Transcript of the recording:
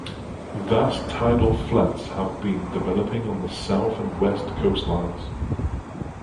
Vast tidal flats have been developing on the south and west coastlines.